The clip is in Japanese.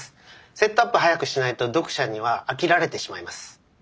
セットアップ早くしないと読者には飽きられてしまいます。